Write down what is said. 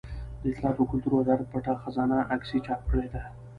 د اطلاعاتو او کلتور وزارت پټه خزانه عکسي چاپ کړې ده.